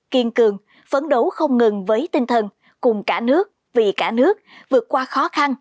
kiên cường phấn đấu không ngừng với tinh thần cùng cả nước vì cả nước vượt qua khó khăn